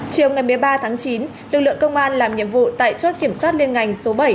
chiều ngày một mươi ba tháng chín lực lượng công an làm nhiệm vụ tại chốt kiểm soát liên ngành số bảy